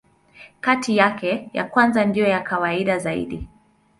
Kati yake, ya kwanza ndiyo ya kawaida zaidi.